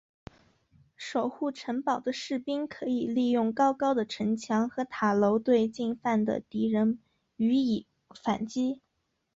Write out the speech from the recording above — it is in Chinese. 守护城堡的士兵可以利用高高的城墙和塔楼对进犯的敌人予以反击。